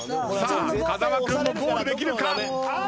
風間君もゴールできるか？